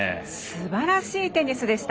すばらしいテニスでした。